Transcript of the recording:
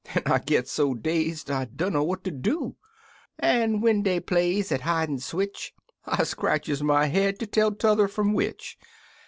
An' I gits so dazed 1 dunner what ter do; An' when dey plays at hidin' switch 1 scratches my head ter tell t'other fum which.